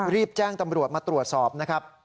รีบแจ้งตำรวจมาตรวจสอบนะครับ